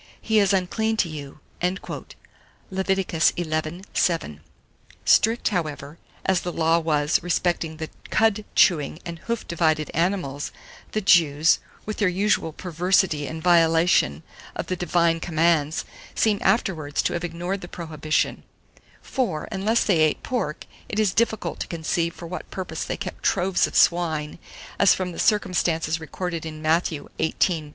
He is unclean to you." Lev. xi. 7. Strict, however, as the law was respecting the cud chewing and hoof divided animals, the Jews, with their usual perversity and violation of the divine commands, seem afterwards to have ignored the prohibition; for, unless they ate pork, it is difficult to conceive for what purpose they kept troves of swine, as from the circumstance recorded in Matthew xviii.